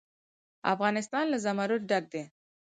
افغانستان له زمرد ډک دی.